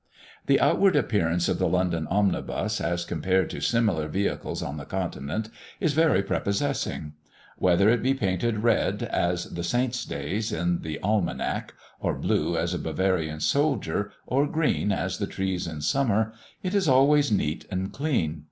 The outward appearance of the London omnibus, as compared to similar vehicles on the Continent, is very prepossessing. Whether it be painted red as the Saints' days in the Almanack, or blue as a Bavarian soldier, or green as the trees in summer, it is always neat and clean.